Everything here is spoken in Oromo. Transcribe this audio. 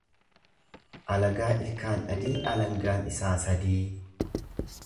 Alagaa ilkaan adii alangaan isaa sadii.